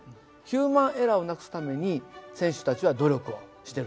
ヒューマンエラーをなくすために選手たちは努力をしてる訳なんです。